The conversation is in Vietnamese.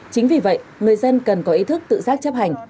chính vì vậy người dân cần có ý thức tự giác chấp hành